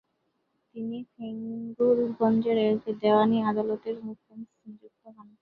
তিনি ফেঞ্চুগঞ্জের একটি দেওয়ানী আদালতের মুন্সেফ নিযুক্ত হন।